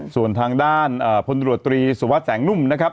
ส่วนทางด้านพนตรตรีสวัสดิ์แสงนุ่ม